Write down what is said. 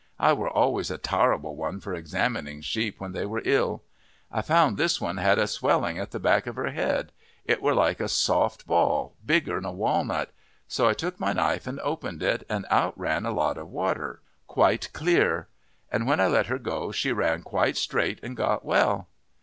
I were always a tarrible one for examining sheep when they were ill. I found this one had a swelling at the back of her head; it were like a soft ball, bigger 'n a walnut. So I took my knife and opened it, and out ran a lot of water, quite clear; and when I let her go she ran quite straight, and got well.